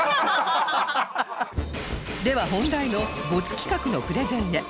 では本題のボツ企画のプレゼンへ